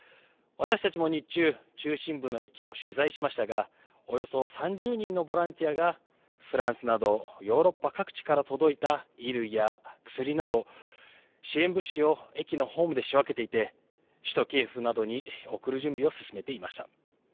私たちも日中、中心部の駅を取材しましたが、およそ３０人のボランティアが、フランスなどヨーロッパ各地から届いた衣類や薬など、支援物資を駅のホームで仕分けていて、首都キエフなどに送る準備を進めていました。